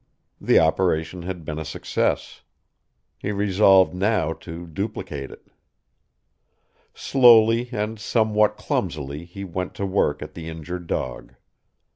The operation had been a success. He resolved now to duplicate it. Slowly and somewhat clumsily he went to work at the injured dog.